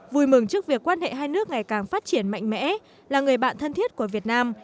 vui mừng trước việc quan hệ hai nước ngày càng phát triển mạnh mẽ là người bạn thân thiết của việt nam